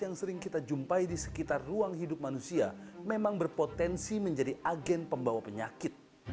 yang sering kita jumpai di sekitar ruang hidup manusia memang berpotensi menjadi agen pembawa penyakit